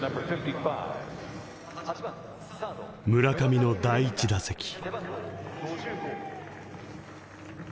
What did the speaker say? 村上の第１打席。